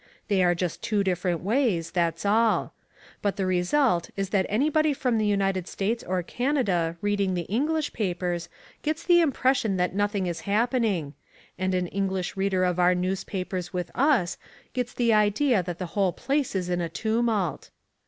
They are just two different ways, that's all. But the result is that anybody from the United States or Canada reading the English papers gets the impression that nothing is happening: and an English reader of our newspapers with us gets the idea that the whole place is in a tumult.